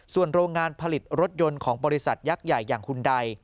ส่วนโรงงานผลิตรถยนต์ของบริษัทยักษ์ใหญ่อย่างคุณใด